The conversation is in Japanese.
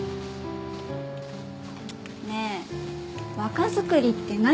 ねえ若作りって何？